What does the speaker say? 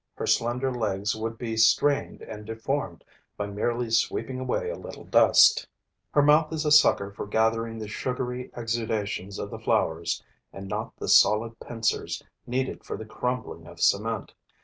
Her slender legs would be strained and deformed by merely sweeping away a little dust; her mouth is a sucker for gathering the sugary exudations of the flowers and not the solid pincers needed for the crumbling of cement.